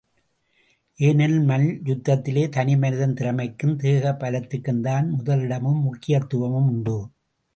ஏனெனில், மல்யுத்தத்திலே தனி மனிதன் திறமைக்கும், தேக பலத்திற்கும்தான் முதலிடமும் முக்கியத்துவமும் உண்டு.